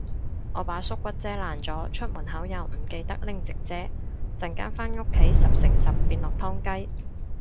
我把縮骨遮爛咗，出門口又唔記得拎直遮，陣間返屋企十成十變落湯雞